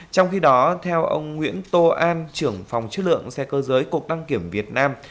trong khi đó theo ông nguyễn tô an trưởng phòng chất lượng xe cơ giới cục đăng kiểm việt nam